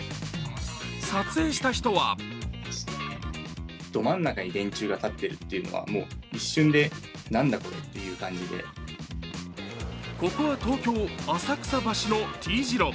撮影した人はここは東京・浅草橋のＴ字路。